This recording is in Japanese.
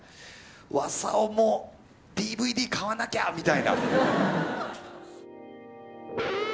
「わさお」もＤＶＤ買わなきゃみたいな。